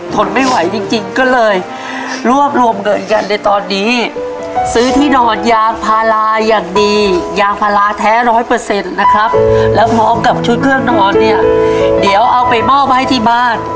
ทนไม่ไหวจริงก็เลยรวบรวมเงินกันในตอนนี้ซื้อที่นอนยางพาราอย่างดียางพาราแท้ร้อยเปอร์เซ็นต์นะครับ